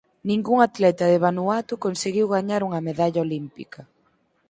Ningún atleta de Vanuatu conseguiu gañar unha medalla olímpica.